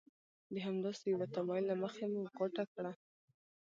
د همداسې یوه تمایل له مخې مو غوټه کړه.